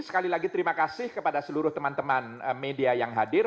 sekali lagi terima kasih kepada seluruh teman teman media yang hadir